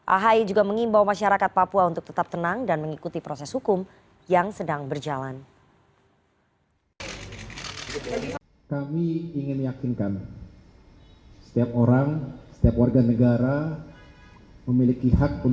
ahi juga mengimbau masyarakat papua untuk tetap tenang dan mengikuti proses hukum yang sedang berjalan